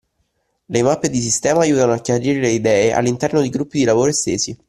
Le mappe di sistema aiutano a chiarire le idee all’interno di gruppi di lavoro estesi